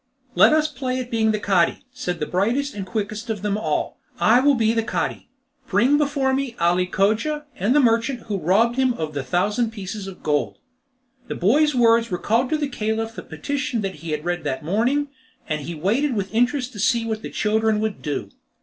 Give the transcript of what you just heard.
"Let us play at being the Cadi," said the brightest and quickest of them all; "I will be the Cadi. Bring before me Ali Cogia, and the merchant who robbed him of the thousand pieces of gold." The boy's words recalled to the Caliph the petition he had read that morning, and he waited with interest to see what the children would do.